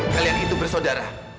kalian itu bersaudara